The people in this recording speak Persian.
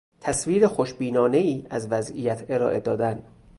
تصویر خوشبینانهای از وضعیت ارائه دادن